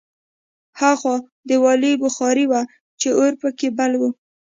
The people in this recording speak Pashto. هاخوا دېوالي بخارۍ وه چې اور پکې بل و